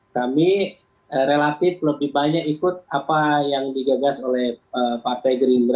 kami relatif lebih banyak ikut apa yang digagas oleh partai gerindra